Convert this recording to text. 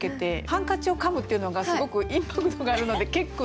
「ハンカチをかむ」っていうのがすごくインパクトがあるので結句に。